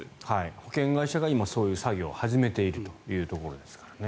保険会社が今そういう作業を始めているところですからね。